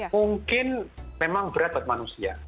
mungkin memang berat buat manusia